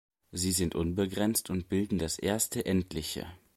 Sie sind unbegrenzt und bilden das erste Endliche.